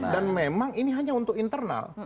dan memang ini hanya untuk internal